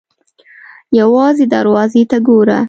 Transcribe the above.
_ يوازې دروازې ته ګوره!